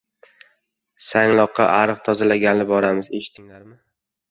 Sangloqqa ariq tozalagani boramiz, eshitdilaringmi?